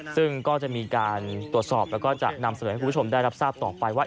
ซึ่งก็จะมีการตรวจสอบแล้วก็จะนำเสนอให้คุณผู้ชมได้รับทราบต่อไปว่า